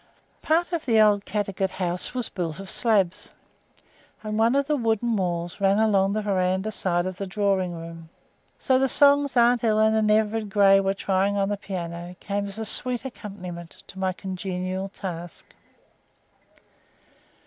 Part of the old Caddagat house was built of slabs, and one of the wooden walls ran along the veranda side of the drawing room, so the songs aunt Helen and Everard Grey were trying to the piano came as a sweet accompaniment to my congenial task.